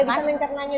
tidak bisa mencernanya